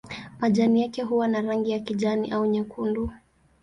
Majani yake huwa na rangi ya kijani au nyekundu.